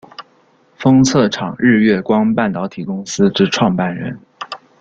封测厂日月光半导体公司之创办人。